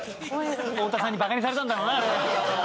太田さんにバカにされたんだろうなあれ。